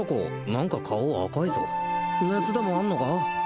何か顔赤いぞ熱でもあんのか？